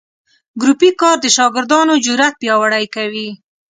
ګروپي کار د شاګردانو جرات پیاوړي کوي.